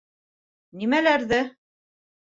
— Нимәләрҙе?